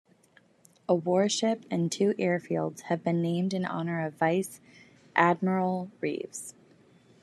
A warship and two airfields have been named in honor of Vice Admiral Reeves.